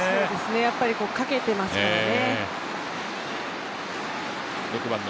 やっぱりかけていますからね。